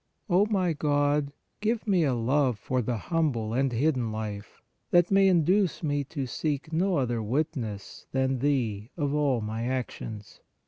196 PRAYER O my God, give me a love for the humble and hidden life, that may induce me to seek no other witness than Thee of all my actions.